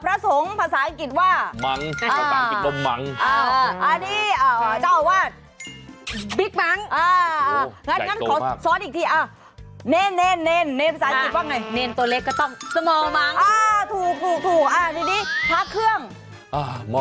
อันนี้ได้ไหม